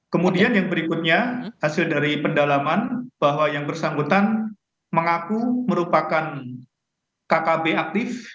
kemudian yang berikutnya hasil dari pendalaman bahwa yang bersangkutan mengaku merupakan kkb aktif